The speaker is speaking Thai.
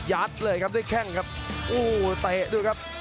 ยัดเลยครับด้วยแข่งครับอูใต้ดูครับ